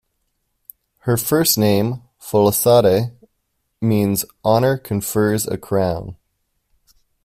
Her first name, "Folasade", means "Honor confers a crown".